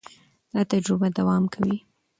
دا تجربه دوام کوي.